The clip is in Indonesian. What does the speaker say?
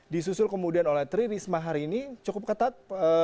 disusul kemudian oleh tririsma hari ini cukup ketat